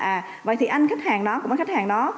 à vậy thì anh khách hàng đó cũng với khách hàng đó